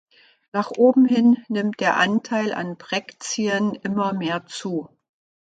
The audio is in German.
Nach oben hin nimmt der Anteil an Brekzien immer mehr zu.